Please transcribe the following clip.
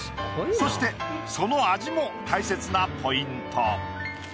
そしてその味も大切なポイント。